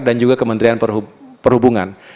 dan juga kementrian perhubungan